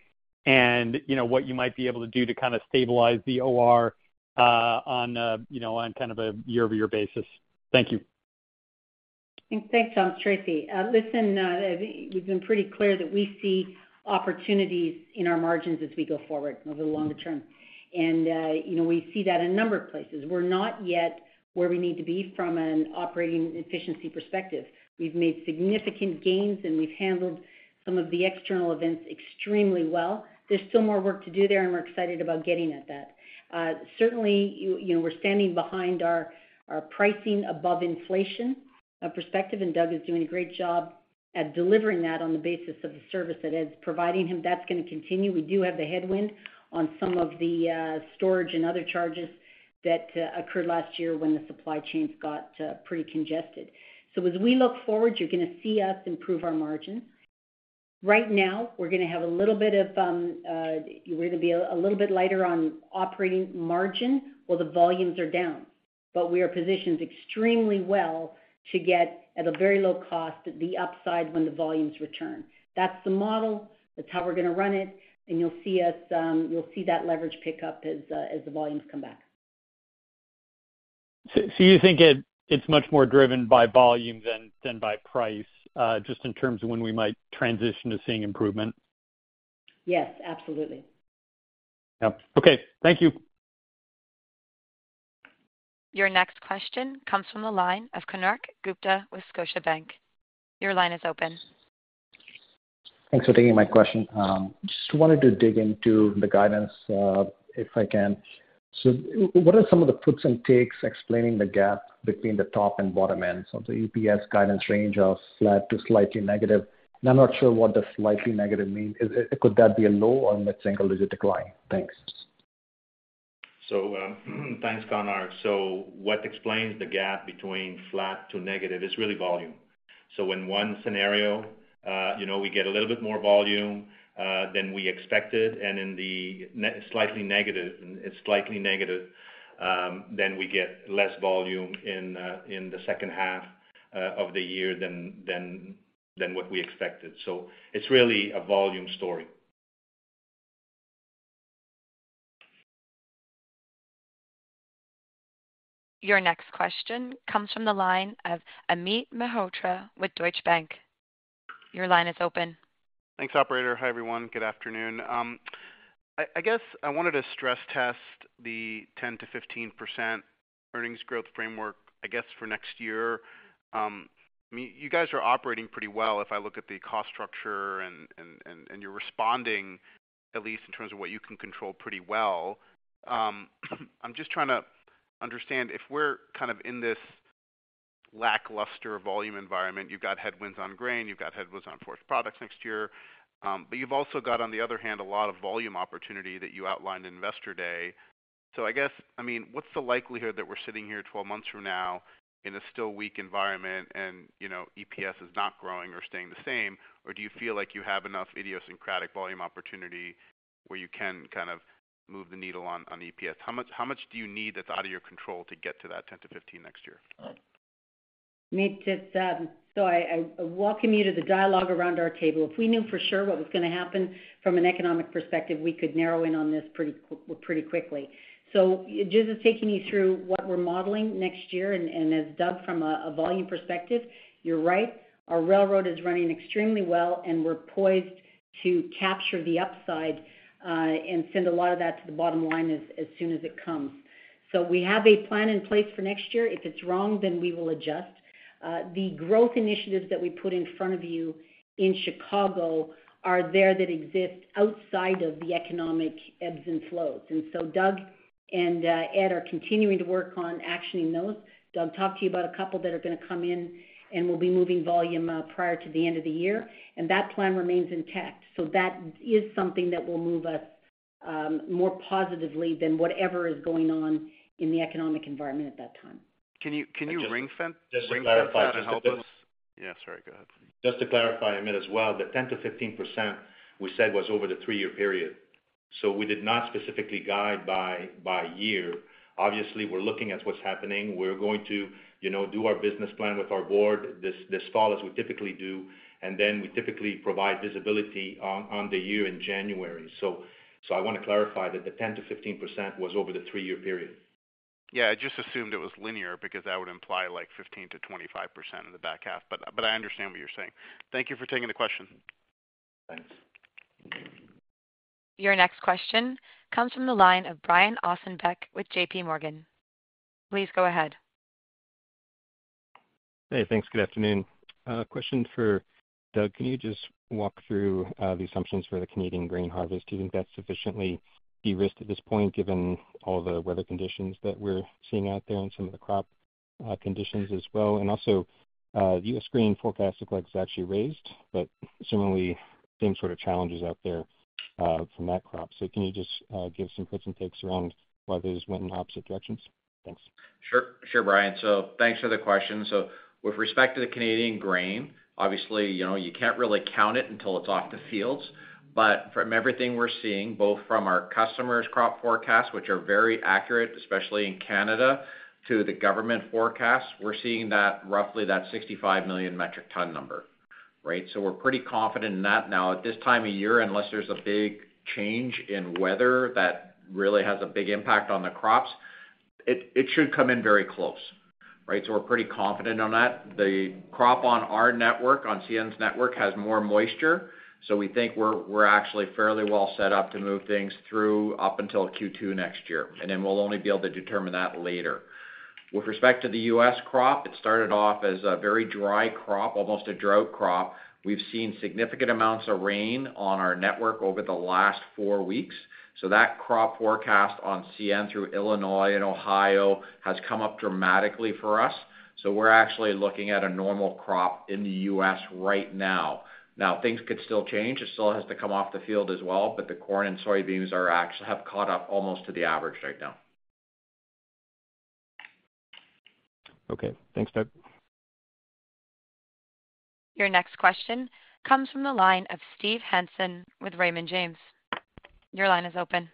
and, you know, what you might be able to do to kinda stabilize the OR on, you know, on kind of a year-over-year basis? Thank you. Thanks, Tom. It's Tracy. Listen, we've been pretty clear that we see opportunities in our margins as we go forward over the longer term. You know, we see that in a number of places. We're not yet where we need to be from an operating efficiency perspective. We've made significant gains, and we've handled some of the external events extremely well. There's still more work to do there, and we're excited about getting at that. Certainly, you know, we're standing behind our pricing above inflation perspective. Doug is doing a great job at delivering that on the basis of the service that Ed's providing him. That's gonna continue. We do have the headwind on some of the storage and other charges that occurred last year when the supply chains got pretty congested. As we look forward, you're gonna see us improve our margins. Right now, we're gonna have a little bit lighter on operating margin, while the volumes are down. We are positioned extremely well to get, at a very low cost, the upside when the volumes return. That's the model. That's how we're gonna run it, and you'll see us, you'll see that leverage pick up as the volumes come back. You think it's much more driven by volume than by price, just in terms of when we might transition to seeing improvement? Yes, absolutely. Yeah. Okay, thank you. Your next question comes from the line of Konark Gupta with Scotiabank. Your line is open. Thanks for taking my question. Just wanted to dig into the guidance, if I can. What are some of the puts and takes explaining the gap between the top and bottom ends of the EPS guidance range of flat to slightly negative? I'm not sure what the slightly negative mean. Could that be a low or mid-single-digit decline? Thanks. Thanks, Konark. What explains the gap between flat to negative is really volume. When one scenario, you know, we get a little bit more volume than we expected, and in the slightly negative, it's slightly negative, then we get less volume in the second half of the year than what we expected. It's really a volume story. Your next question comes from the line of Amit Mehrotra with Deutsche Bank. Your line is open. Thanks, operator. Hi, everyone. Good afternoon. I guess I wanted to stress test the 10%-15% earnings growth framework, I guess, for next year. I mean, you guys are operating pretty well if I look at the cost structure and you're responding, at least in terms of what you can control pretty well. I'm just trying to understand if we're kind of in this lackluster volume environment, you've got headwinds on grain, you've got headwinds on forest products next year, but you've also got, on the other hand, a lot of volume opportunity that you outlined in Investor Day. I guess, I mean, what's the likelihood that we're sitting here 12 months from now in a still weak environment and, you know, EPS is not growing or staying the same? Do you feel like you have enough idiosyncratic volume opportunity where you can kind of move the needle on EPS? How much do you need that's out of your control to get to that 10%-15% next year? Amit, I welcome you to the dialogue around our table. If we knew for sure what was gonna happen from an economic perspective, we could narrow in on this pretty quickly. Just taking you through what we're modeling next year, and as Doug, from a volume perspective, you're right, our railroad is running extremely well, and we're poised to capture the upside, and send a lot of that to the bottom line as soon as it comes. We have a plan in place for next year. If it's wrong, then we will adjust. The growth initiatives that we put in front of you in Chicago are there that exist outside of the economic ebbs and flows. Doug and Ed are continuing to work on actioning those. Doug talked to you about a couple that are gonna come in, and we'll be moving volume, prior to the end of the year, and that plan remains intact. That is something that will move us, more positively than whatever is going on in the economic environment at that time. Can you. Just to clarify, just to help us? Yeah, sorry, go ahead. Just to clarify, Amit, as well, the 10%-15% we said was over the 3-year period, so we did not specifically guide by year. Obviously, we're looking at what's happening. We're going to, you know, do our business plan with our board this fall, as we typically do, and then we typically provide visibility on the year in January. I want to clarify that the 10%-15% was over the 3-year period. Yeah, I just assumed it was linear, because that would imply like 15%-25% in the back half. I understand what you're saying. Thank you for taking the question. Thanks. Your next question comes from the line of Brian Ossenbeck with JP Morgan. Please go ahead. Hey, thanks. Good afternoon. Question for Doug: Can you just walk through the assumptions for the Canadian grain harvest? Do you think that's sufficiently de-risked at this point, given all the weather conditions that we're seeing out there and some of the crop conditions as well? Also, the U.S. grain forecast looks actually raised, but similarly, same sort of challenges out there from that crop. Can you just give some quits and takes around why those went in opposite directions? Thanks. Sure. Sure, Brian. Thanks for the question. With respect to the Canadian grain, obviously, you know, you can't really count it until it's off the fields. From everything we're seeing, both from our customers' crop forecasts, which are very accurate, especially in Canada, to the government forecasts, we're seeing that roughly that 65 million metric ton number, right? We're pretty confident in that. At this time of year, unless there's a big change in weather that really has a big impact on the crops, it should come in very close, right? We're pretty confident on that. The crop on our network, on CN's network, has more moisture, so we think we're actually fairly well set up to move things through up until Q2 next year, and then we'll only be able to determine that later. With respect to the U.S. crop, it started off as a very dry crop, almost a drought crop. We've seen significant amounts of rain on our network over the last four weeks, that crop forecast on CN through Illinois and Ohio has come up dramatically for us. We're actually looking at a normal crop in the U.S. right now. Now, things could still change. It still has to come off the field as well, but the corn and soybeans are actually have caught up almost to the average right now. Okay, thanks, Doug. Your next question comes from the line of Steve Hansen with Raymond James. Your line is open.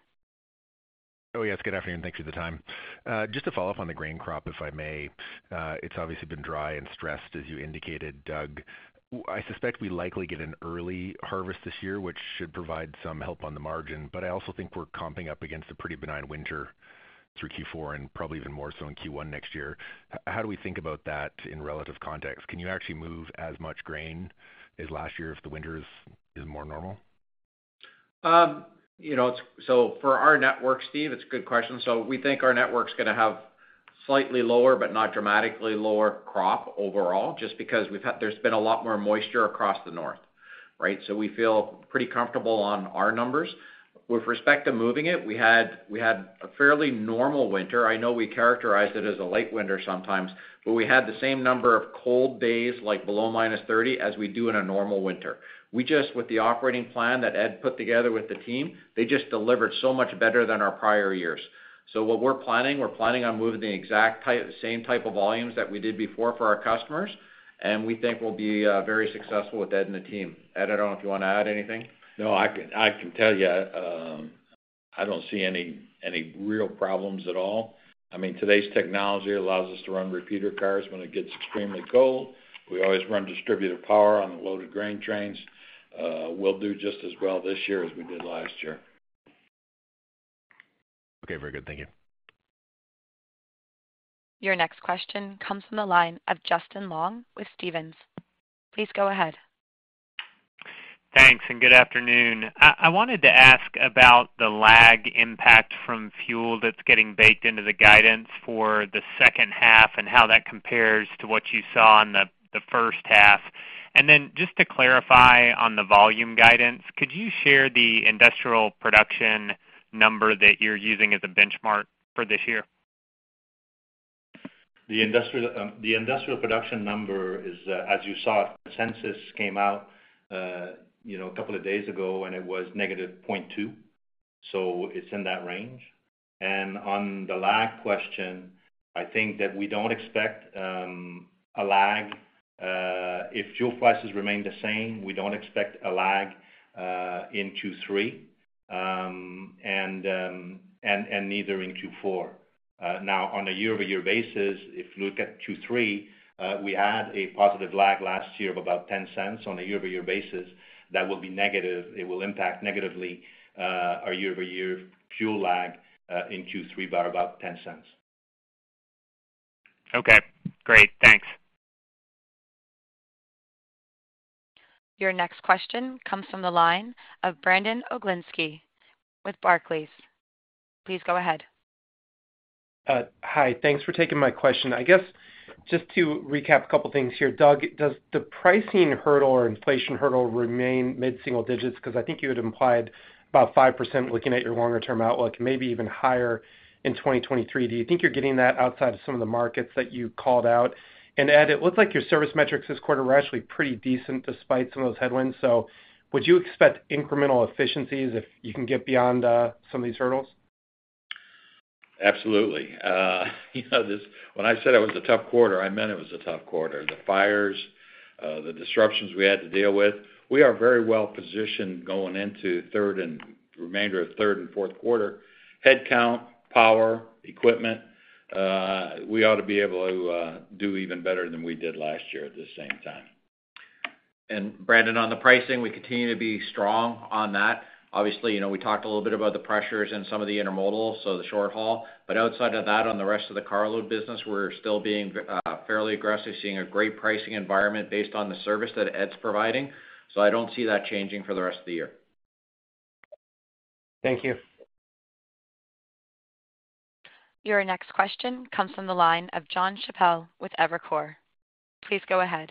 Yes, good afternoon. Thank you for the time. Just to follow up on the grain crop, if I may. It's obviously been dry and stressed, as you indicated, Doug. I suspect we likely get an early harvest this year, which should provide some help on the margin, but I also think we're comping up against a pretty benign winter through Q4 and probably even more so in Q1 next year. How do we think about that in relative context? Can you actually move as much grain as last year if the winter is more normal? You know, for our network, Steve, it's a good question. We think our network's gonna have slightly lower, but not dramatically lower crop overall, just because there's been a lot more moisture across the north, right? We feel pretty comfortable on our numbers. With respect to moving it, we had a fairly normal winter. I know we characterized it as a light winter sometimes, but we had the same number of cold days, like below -30, as we do in a normal winter. We just, with the operating plan that Ed put together with the team, they just delivered so much better than our prior years. What we're planning, we're planning on moving the same type of volumes that we did before for our customers, and we think we'll be very successful with Ed and the team. Ed, I don't know if you want to add anything? No, I can tell you, I don't see any real problems at all. I mean, today's technology allows us to run repeater cars when it gets extremely cold. We always run distributed power on the loaded grain trains. We'll do just as well this year as we did last year. Okay, very good. Thank you. Your next question comes from the line of Justin Long with Stephens. Please go ahead. Thanks. Good afternoon. I wanted to ask about the lag impact from fuel that's getting baked into the guidance for the second half and how that compares to what you saw on the first half. Then just to clarify on the volume guidance, could you share the industrial production number that you're using as a benchmark for this year? The industrial, the industrial production number is, as you saw, census came out, you know, a couple of days ago, and it was negative 0.2, so it's in that range. On the lag question, I think that we don't expect a lag, if fuel prices remain the same, we don't expect a lag in Q3, and neither in Q4. Now, on a year-over-year basis, if you look at Q3, we had a positive lag last year of about $0.10 on a year-over-year basis. That will be negative. It will impact negatively, our year-over-year fuel lag in Q3 by about $0.10. Okay, great. Thanks. Your next question comes from the line of Brandon Oglenski with Barclays. Please go ahead.... hi. Thanks for taking my question. I guess, just to recap a couple of things here, Doug, does the pricing hurdle or inflation hurdle remain mid-single digits? Because I think you had implied about 5% looking at your longer-term outlook, maybe even higher in 2023. Do you think you're getting that outside of some of the markets that you called out? Ed, it looks like your service metrics this quarter were actually pretty decent despite some of those headwinds. Would you expect incremental efficiencies if you can get beyond some of these hurdles? Absolutely. You know, when I said it was a tough quarter, I meant it was a tough quarter. The fires, the disruptions we had to deal with, we are very well-positioned going into third and remainder of third and fourth quarter. Headcount, power, equipment, we ought to be able to do even better than we did last year at the same time. Brandon, on the pricing, we continue to be strong on that. Obviously, you know, we talked a little bit about the pressures in some of the intermodal, so the short haul. Outside of that, on the rest of the carload business, we're still being fairly aggressive, seeing a great pricing environment based on the service that Ed's providing. I don't see that changing for the rest of the year. Thank you. Your next question comes from the line of Jonathan Chappell with Evercore. Please go ahead.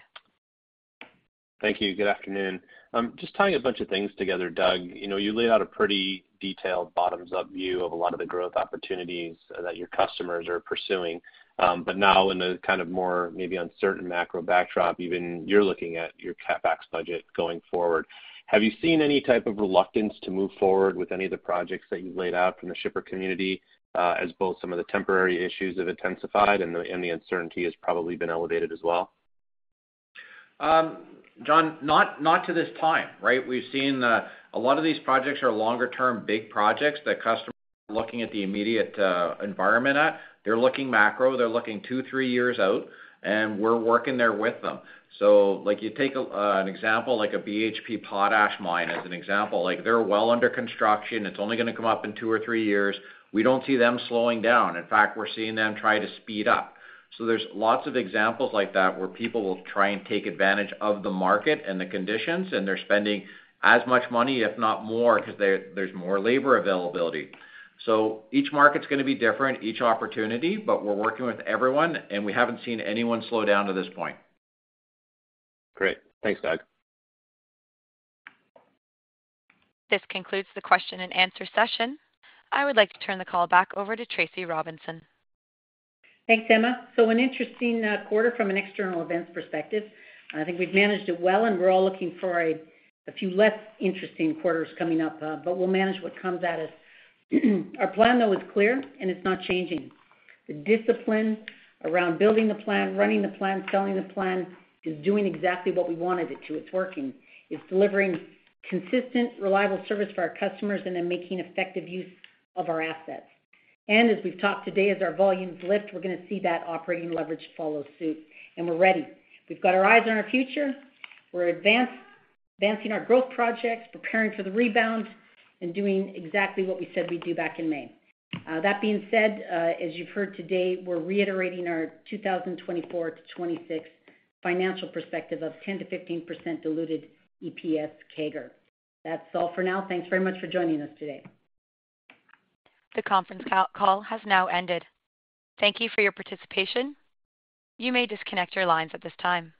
Thank you. Good afternoon. Just tying a bunch of things together, Doug, you know, you laid out a pretty detailed bottoms-up view of a lot of the growth opportunities that your customers are pursuing. Now in the kind of more maybe uncertain macro backdrop, even you're looking at your CapEx budget going forward. Have you seen any type of reluctance to move forward with any of the projects that you've laid out from the shipper community, as both some of the temporary issues have intensified and the uncertainty has probably been elevated as well? Jon, not to this time, right? We've seen a lot of these projects are longer-term, big projects that customers are looking at the immediate environment at. They're looking macro, they're looking two, three years out, and we're working there with them. Like you take an example, like a BHP potash mine as an example, like, they're well under construction. It's only gonna come up in two or three years. We don't see them slowing down. In fact, we're seeing them try to speed up. There's lots of examples like that, where people will try and take advantage of the market and the conditions, and they're spending as much money, if not more, 'cause there's more labor availability. Each market's gonna be different, each opportunity, but we're working with everyone, and we haven't seen anyone slow down to this point. Great. Thanks, Doug. This concludes the question and answer session. I would like to turn the call back over to Tracy Robinson. Thanks, Emma. An interesting quarter from an external events perspective. I think we've managed it well, and we're all looking for a few less interesting quarters coming up, but we'll manage what comes at us. Our plan, though, is clear, and it's not changing. The discipline around building the plan, running the plan, selling the plan is doing exactly what we wanted it to. It's working. It's delivering consistent, reliable service for our customers and making effective use of our assets. As we've talked today, as our volumes lift, we're gonna see that operating leverage follow suit, and we're ready. We've got our eyes on our future. We're advancing our growth projects, preparing for the rebound, and doing exactly what we said we'd do back in May. That being said, as you've heard today, we're reiterating our 2024-2026 financial perspective of 10%-15% diluted EPS CAGR. That's all for now. Thanks very much for joining us today. The conference call has now ended. Thank you for your participation. You may disconnect your lines at this time.